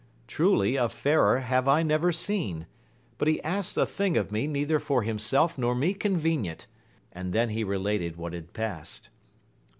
— Truly a fairer have I never seen ; but he asks a thing of me neither for himself nor me convenient ; and then he related what had passed.